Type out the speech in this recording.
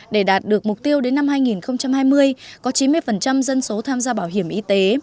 để đạt được mục tiêu đến năm hai nghìn hai mươi có chín mươi dân số tham gia bảo hiểm y tế